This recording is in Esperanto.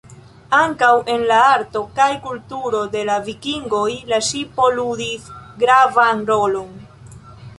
Ankaŭ en la arto kaj kulturo de la Vikingoj la ŝipo ludis gravan rolon.